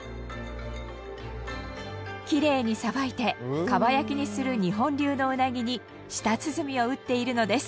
きれいにさばいてかば焼きにする日本流のうなぎに舌鼓を打っているのです。